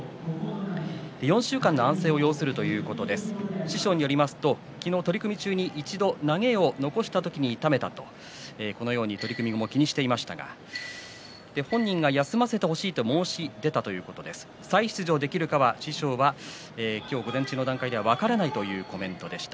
４週間の安静を要するということで師匠によりますと昨日、取組中に一度投げを残した時に痛めたと取組後も気にしていましたが本人が休ませてほしいと申し出たということですし再出場できるかは師匠は今日午前中の段階では分からないというコメントでした。